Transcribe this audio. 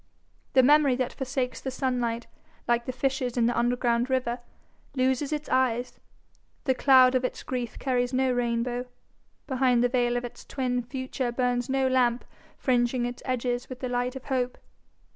The memory that forsakes the sunlight, like the fishes in the underground river, loses its eyes; the cloud of its grief carries no rainbow; behind the veil of its twin future burns no lamp fringing its edges with the light of hope.